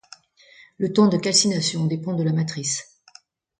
Le temps de calcination dépend de la matrice.